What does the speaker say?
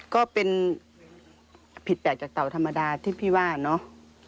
ก็เป็นผิดแปลกจากเต่าธรรมดาที่พี่ว่าเนาะ